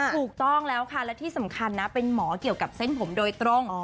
ถูกต้องแล้วค่ะและที่สำคัญนะเป็นหมอเกี่ยวกับเส้นผมโดยตรง